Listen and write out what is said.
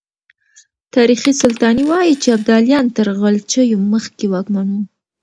تاريخ سلطاني وايي چې ابداليان تر غلجيو مخکې واکمن وو.